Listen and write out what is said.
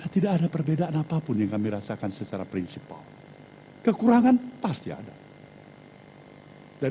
tidak ada perbedaan apapun yang kami rasakan secara prinsipal kekurangan pasti ada dan